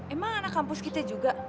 emang anak kampus kita juga